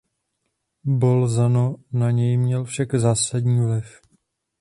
Bolzano na něj měl však zásadní vliv.